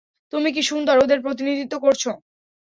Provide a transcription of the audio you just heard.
তুমি কী সুন্দর ওদের প্রতিনিধিত্ব করছ।